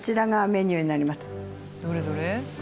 どれどれ。